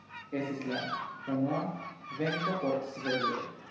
Estis la unua venko por Svedio.